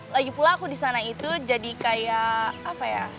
lagipula aku di sana itu jadi kayak apa ya